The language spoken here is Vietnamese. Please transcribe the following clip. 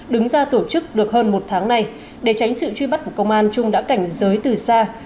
đứng ra tổ chức được hơn một tháng nay để tránh sự truy bắt của công an trung đã cảnh giới từ xa